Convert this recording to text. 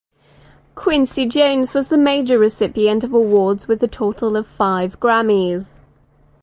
Quincy Jones was the major recipient of awards with a total of five Grammys.